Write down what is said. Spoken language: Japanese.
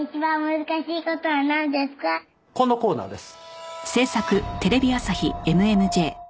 このコーナーです。